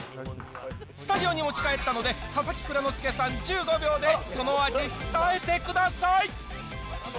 スタジオに持ち帰ったので、佐々木蔵之介さん、１５秒でその味、伝えてください。